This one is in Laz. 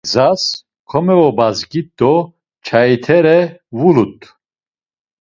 Gzas komevobazgit do çaitere vulut.